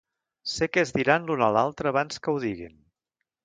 Sé què es diran l'un a l'altre abans que ho diguin.